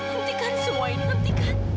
hentikan semua ini